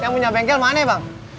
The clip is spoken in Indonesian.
yang punya bengkel mana ya bang